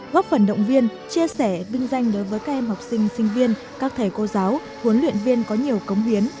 góp phần động viên chia sẻ vinh danh đối với các em học sinh sinh viên các thầy cô giáo huấn luyện viên có nhiều cống hiến